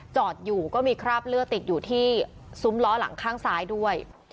จอดอยู่ก็มีคราบเลือดติดอยู่ที่ซุ้มล้อหลังข้างซ้ายด้วย